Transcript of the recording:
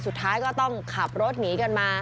สุดท้ายก็ต้องขับรถหนีกันมา